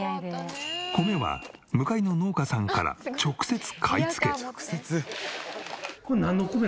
米は向かいの農家さんから直接買い付け。